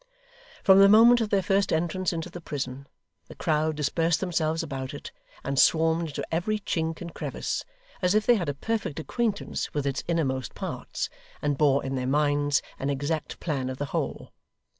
From the moment of their first entrance into the prison, the crowd dispersed themselves about it, and swarmed into every chink and crevice, as if they had a perfect acquaintance with its innermost parts, and bore in their minds an exact plan of the whole.